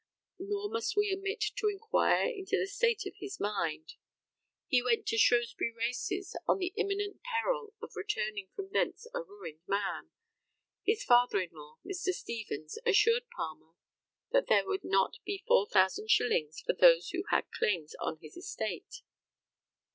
Nor must we omit to inquire into the state of his mind. He went to Shrewsbury races in the imminent peril of returning from thence a ruined man. His father in law, Mr. Stevens, assured Palmer that there would not be four thousand shillings for those who had claims on his estate.